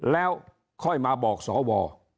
แล้วค่อยมาบอกสว